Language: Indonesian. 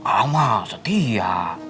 aam mah setia